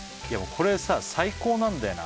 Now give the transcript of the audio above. これさ最高なんだよな